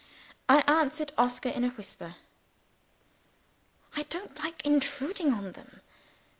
I answered Oscar in a whisper. "I don't like intruding on them.